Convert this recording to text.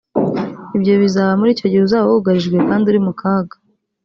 ibyo bizaba muri icyo gihe uzaba wugarijwe kandi uri mu kaga